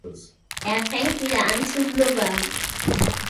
Er fängt wieder an zu blubbern.